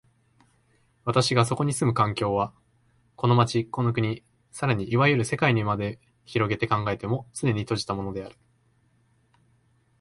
私がそこに住む環境は、この町、この国、更にいわゆる世界にまで拡げて考えても、つねに閉じたものである。